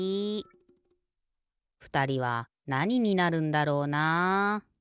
ふたりはなにになるんだろうな？